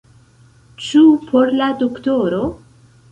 Ĉu por la doktoro?